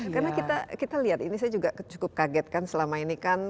karena kita lihat ini saya juga cukup kaget kan selama ini kan